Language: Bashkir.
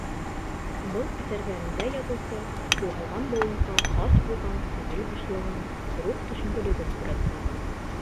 Был әҫәрҙәрендә яҙыусы «юғалған быуынға» хас булған күңел бушлығын, рух төшөнкөлөгөн һүрәтләй.